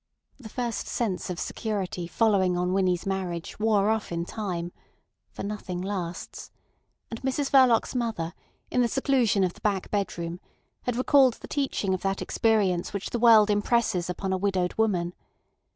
The first sense of security following on Winnie's marriage wore off in time (for nothing lasts), and Mrs Verloc's mother, in the seclusion of the back bedroom, had recalled the teaching of that experience which the world impresses upon a widowed woman.